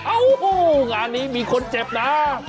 โอ้โหงานนี้มีคนเจ็บนะ